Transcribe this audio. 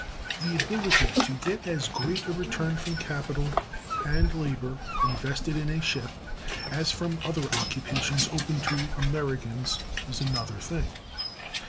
The ability to get as great a return from capital and labor invested in a ship as from other occupations open to Americans is another thing.